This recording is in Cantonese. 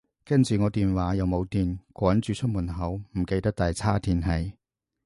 跟住我電話又冇電，趕住出門口，唔記得帶叉電器